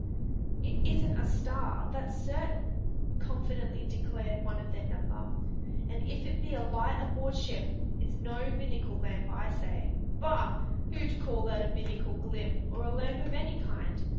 "It isn't a star, that's certain," confidently declared one of their number; "and if it be a light aboard ship, it's no binnacle lamp, I say. Bah! who'd call that a binnacle glim, or a lamp of any kind?